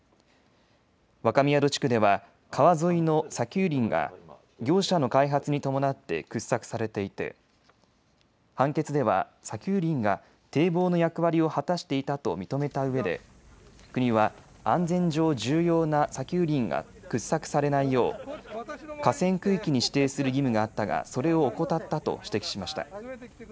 若宮戸地区では川沿いの砂丘林が業者の開発に伴って掘削されていて判決では砂丘林が堤防の役割を果たしていたと認めたうえで国は安全上、重要な砂丘林が掘削されないよう河川区域に指定する義務があったが、それを怠ったと指摘しました。